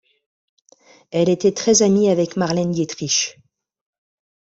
Elle était très amie avec Marlène Dietrich.